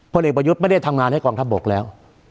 เด็กประยุทธ์ไม่ได้ทำงานให้กองทัพบกแล้ว